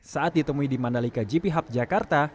saat ditemui di mandalika gp hub jakarta